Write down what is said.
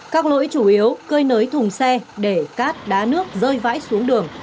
các lỗi chủ yếu cơi nới thùng xe để cát đá nước rơi vãi xuống đường